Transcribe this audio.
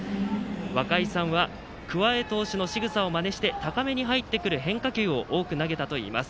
わかいさんは桑江投手のしぐさをまねして高めに入ってくる変化球を多く投げたといいます。